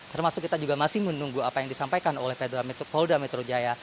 termasuk kita juga masih menunggu apa yang disampaikan oleh polda metro jaya